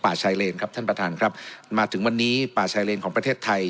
ชายเลนครับท่านประธานครับมาถึงวันนี้ป่าชายเลนของประเทศไทย